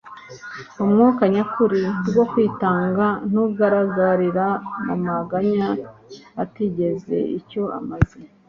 Umwuka nyakuri rwo kwitanga ntugaragarira mu maganya atagize icyo amaze,